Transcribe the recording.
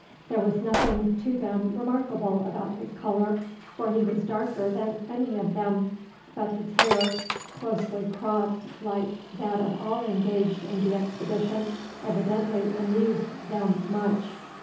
There was nothing to them remarkable about his colour, for he was darker than any of them; but his hair, closely cropped like that of all engaged in the expedition, evidently amused them much.